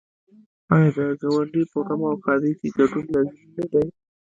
آیا د ګاونډي په غم او ښادۍ کې ګډون لازمي نه دی؟